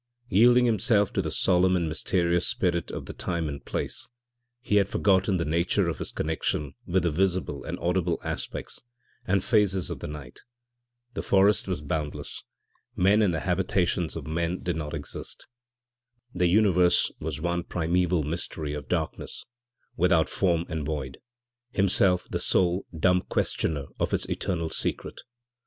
Yielding himself to the solemn and mysterious spirit of the time and place, he had forgotten the nature of his connection with the visible and audible aspects and phases of the night. The forest was boundless; men and the habitations of men did not exist. The universe was one primeval mystery of darkness, without form and void, himself the sole, dumb questioner of its eternal secret.